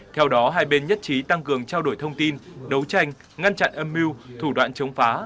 theo đó hai bên nhất trí tăng cường trao đổi thông tin đấu tranh ngăn chặn âm mưu thủ đoạn chống phá